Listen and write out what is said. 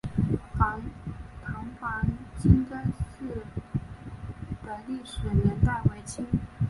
塘坊清真寺的历史年代为清。